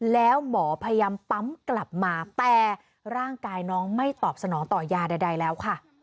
แล้วหมอพยายามปั๊มกลับมาแต่ร่างกายน้องไม่ตอบสนองต่อยาใดแล้วค่ะ